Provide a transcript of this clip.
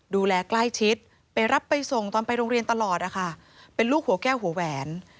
ดูแลใกล้ชิดไปรับไปส่งตอนไปโรงเรียนตลอดนะคะเป็นลูกหัวแก้วหัวแหวน